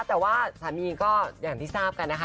แต่ว่าสามีก็อย่างที่ทราบกันนะคะ